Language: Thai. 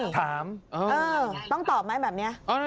ถามต้องตอบไหมแบบนี้